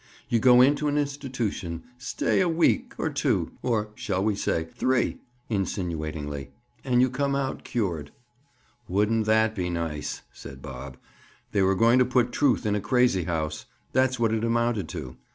"You go into an institution, stay a week, or two—or shall we say, three," insinuatingly, "and you come out cured." "Wouldn't that be nice?" said Bob. They were going to put truth in a crazy house. That's what it amounted to.